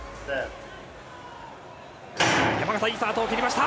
山縣、いいスタートを切りました。